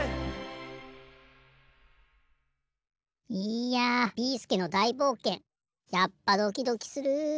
「」いやビーすけの大冒険やっぱドキドキする。